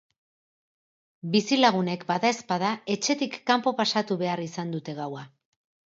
Bizilagunek, badaezpada, etxetik kanpo pasatu behar izan dute gaua.